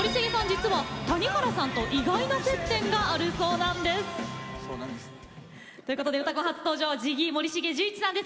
実は谷原さんと意外な接点があるそうなんです。ということで「うたコン」初登場ＺＩＧＧＹ森重樹一さんです。